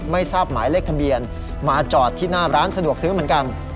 ไม่ทราบหมายเลขทะเบียนมาจอดที่หน้าร้านสะดวกซื้อเหมือนกัน